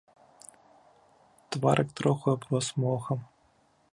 Тварык троху аброс мохам.